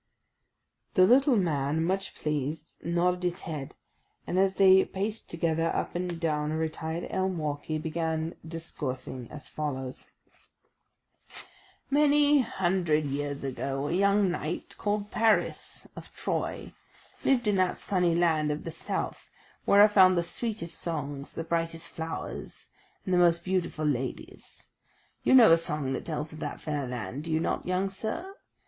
The little man, much pleased, nodded his head; and as they paced together up and down a retired elm walk, he began discoursing as follows: "Many hundred years ago a young knight, called Paris of Troy, lived in that sunny land of the south where are found the sweetest songs, the brightest flowers, and the most beautiful ladies. You know a song that tells of that fair land, do you not, young sir?